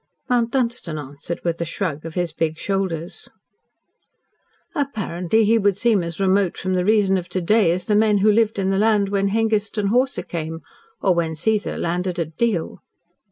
Mount Dunstan answered with a shrug of his big shoulders: "Apparently he would seem as remote from the reason of to day as the men who lived on the land when Hengist and Horsa came or when Caesar landed at Deal."